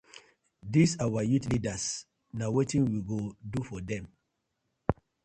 Dis our youth leaders na wetin we go do for dem.